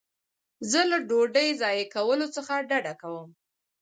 زه له ډوډۍ ضایع کولو څخه ډډه کوم.